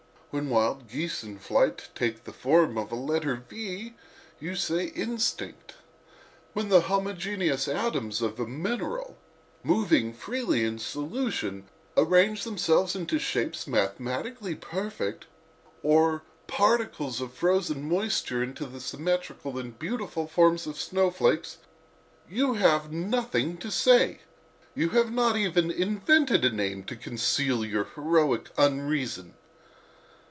When wild geese in flight take the form of a letter V you say instinct. When the homogeneous atoms of a mineral, moving freely in solution, arrange themselves into shapes mathematically perfect, or particles of frozen moisture into the symmetrical and beautiful forms of snowflakes, you have nothing to say. You have not even invented a name to conceal your heroic unreason."